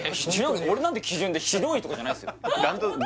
俺なんで基準でひどいとかじゃないっすよ